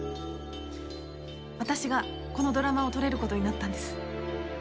私がこのドラマを撮れる事になったんです。